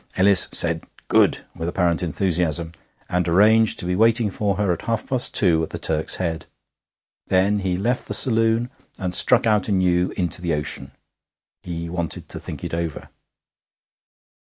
Ellis said 'Good!' with apparent enthusiasm, and arranged to be waiting for her at half past two at the Turk's Head. Then he left the saloon and struck out anew into the ocean. He wanted to think it over.